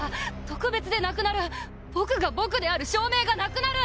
特別でなくなる僕が僕である証明がなくなる！